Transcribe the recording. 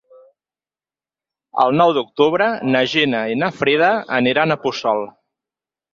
El nou d'octubre na Gina i na Frida aniran a Puçol.